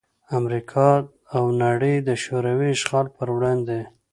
امریکا او نړۍ دشوروي اشغال پر وړاندې